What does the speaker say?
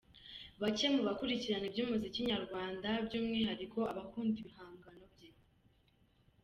bake mu bakurikirana iby’umuziki nyarwanda by’umwihariko abakunda ibihangano bye.